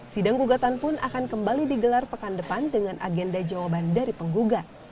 sidang gugatan pun akan kembali digelar pekan depan dengan agenda jawaban dari penggugat